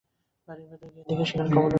বাড়ির ভিতরে গিয়ে দেখি সেখানে খবর রটে গেছে।